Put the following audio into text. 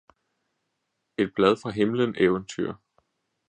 Et blad fra Himmelen Eventyr